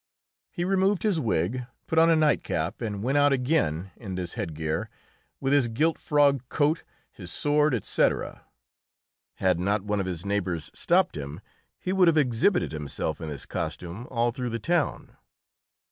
He removed his wig, put on a nightcap, and went out again in this headgear, with his gilt frogged coat, his sword, etc. Had not one of his neighbours stopped him, he would have exhibited himself in this costume all through the town.